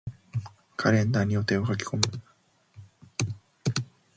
カレンダーに予定を書き込む。